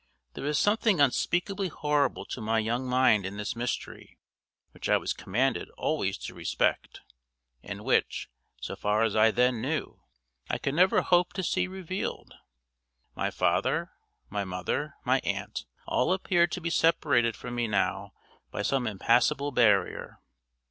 There was something unspeakably horrible to my young mind in this mystery which I was commanded always to respect, and which, so far as I then knew, I could never hope to see revealed. My father, my mother, my aunt, all appeared to be separated from me now by some impassable barrier.